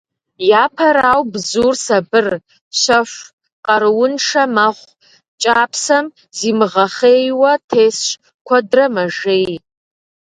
Япэрауэ, бзур сабыр, щэху, къарууншэ мэхъу, кӏапсэм зимыгъэхъейуэ тесщ, куэдрэ мэжей.